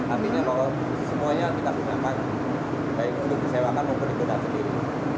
artinya kalau semuanya kita punya baik untuk disewakan maupun di gudang sendiri